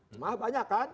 jamaah banyak kan